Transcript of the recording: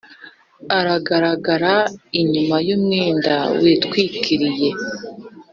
aragaragara inyuma y’umwenda witwikiriye.